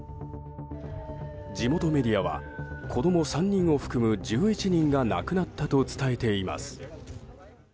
地元メディアは子供３人を含む１１人が亡くなったと伝えています。